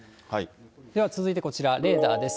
では続いてこちら、レーダーです。